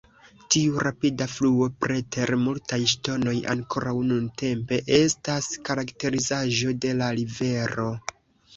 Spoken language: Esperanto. Tiu rapida fluo preter multaj ŝtonoj ankoraŭ nuntempe estas karakterizaĵo de la rivero.